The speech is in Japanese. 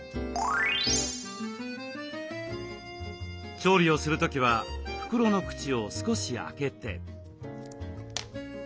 調理をする時は袋の口を少し開けて。